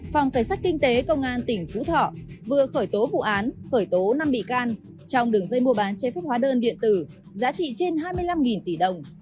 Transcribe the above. phòng cảnh sát kinh tế công an tỉnh phú thọ vừa khởi tố vụ án khởi tố năm bị can trong đường dây mua bán chế phép hóa đơn điện tử giá trị trên hai mươi năm tỷ đồng